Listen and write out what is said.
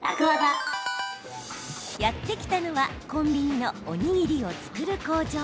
やって来たのはコンビニのおにぎりを作る工場。